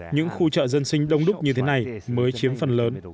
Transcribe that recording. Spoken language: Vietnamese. những khu chợ dân sinh đông đúc như thế này mới chiếm phần lớn